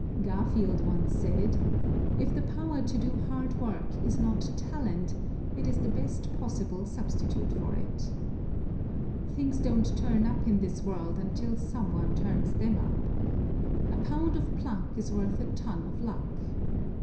Garfield once said: "If the power to do hard work is not talent it is the best possible substitute for it." Things don't turn up in this world until some one turns them up. A POUND of pluck is worth a TON of luck.